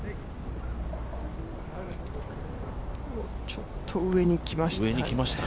ちょっと上に来ました。